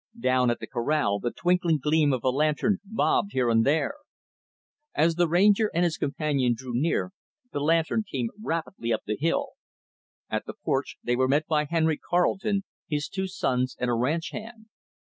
Down at the corral, the twinkling gleam of a lantern bobbed here and there. As the Ranger and his companion drew near, the lantern came rapidly up the hill. At the porch, they were met by Henry Carleton, his two sons, and a ranch hand.